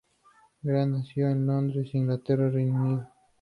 Grant nació en Londres, Inglaterra, Reino Unido.